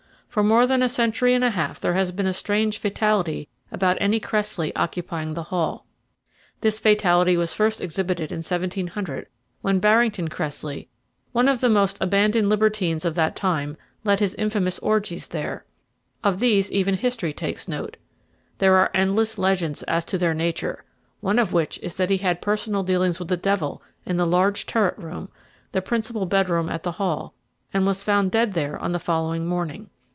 For more than a century and a half there has been a strange fatality about any Cressley occupying the Hall. This fatality was first exhibited in 1700, when Barrington Cressley, one of the most abandoned libertines of that time, led his infamous orgies there of these even history takes note. There are endless legends as to their nature, one of which is that he had personal dealings with the devil in the large turret room, the principal bedroom at the Hall, and was found dead there on the following morning.